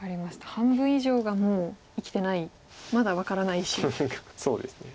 半分以上がもう生きてないまだ分からない石。何かそうですね。